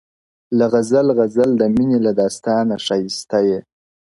• له غزل غزل د میني له داستانه ښایسته یې..